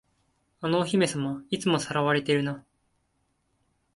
あのお姫様、いつも掠われてるな。